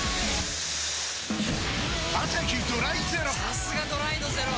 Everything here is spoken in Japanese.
さすがドライのゼロ！